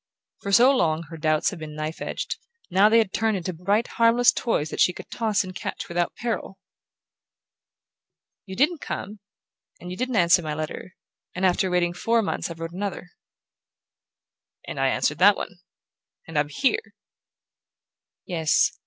For so long her doubts had been knife edged: now they had turned into bright harmless toys that she could toss and catch without peril! "You didn't come, and you didn't answer my letter; and after waiting four months I wrote another." "And I answered that one; and I'm here." "Yes."